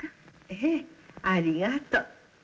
ええ。ありがと。